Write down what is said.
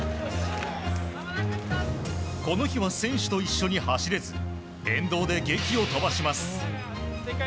この日は、選手と一緒に走れず沿道でげきを飛ばします。